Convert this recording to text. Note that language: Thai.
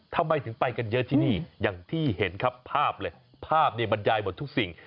ทำไมถึงไปกันเยอะที่นี่อย่างที่เห็นครับภาพเลยภาพเนี่ยบรรยายหมดทุกสิ่ง